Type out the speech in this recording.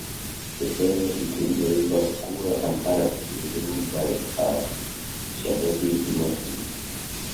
The area between the rivers Kura and Arax was ruled by a Shaddadid dynasty.